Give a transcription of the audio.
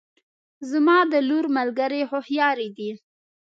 زما د لور ملګرې هوښیارې دي